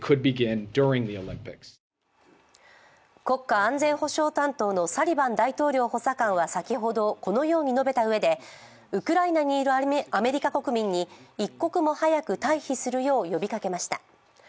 国家安全保障担当のサリバン大統領補佐官は先ほどこのように述べたうえでウクライナにいるアメリカ国民に一刻も早く退避するよう呼びかけました。